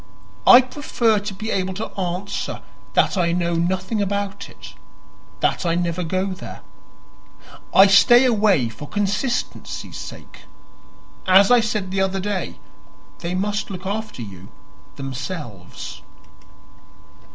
I prefer to be able to answer that I know nothing about it that I never go there. I stay away for consistency's sake. As I said the other day, they must look after you themselves."